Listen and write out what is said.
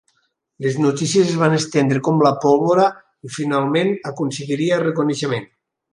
Les notícies es van estendre com la pólvora i finalment aconseguiria reconeixement.